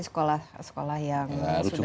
sekolah sekolah yang sudah